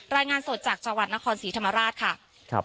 รายงานสดจากจังหวัดนครศรีธรรมราชค่ะ